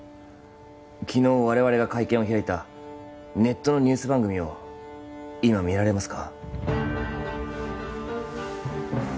昨日我々が会見を開いたネットのニュース番組を今見られますか？